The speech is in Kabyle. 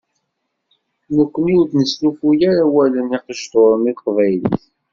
Nekni ur d-neslufuy ara awalen igejduren i teqbaylit.